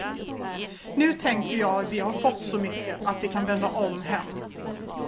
Nu tänker jag vi har fått så mycket, att vi kan vända om hem.